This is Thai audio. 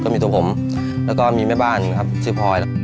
มีตัวผมและแม่บ้านชื่อพรอย